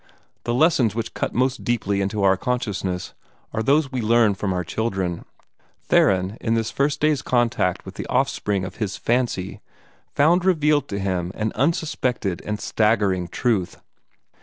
The lessons which cut most deeply into our consciousness are those we learn from our children. Theron, in this first day's contact with the offspring of his fancy, found revealed to him an unsuspected and staggering truth.